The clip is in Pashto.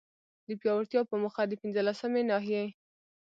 د پياوړتيا په موخه، د پنځلسمي ناحيي